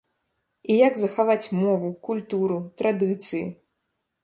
І як захаваць мову, культуру, традыцыі?